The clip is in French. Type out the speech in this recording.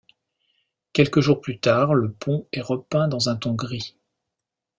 Quelques jours plus tard le pont est repeint dans un ton gris.